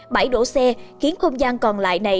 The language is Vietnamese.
bãi đổ xe khiến không gian còn lại này